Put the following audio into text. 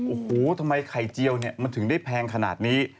โอ้โหทำไมไข่เจียวเนี่ยมันถึงได้แพงขนาดนี้